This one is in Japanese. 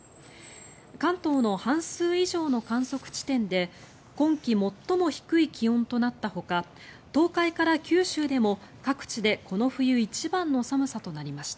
関東の半数以上の観測地点で今季最も低い気温となったほか東海から九州でも各地でこの冬一番の寒さとなりました。